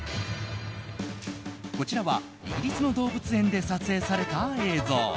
こちらはイギリスの動物園で撮影された映像。